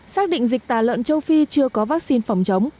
xác định dịch tà lợn châu phi chưa có vaccine phòng chống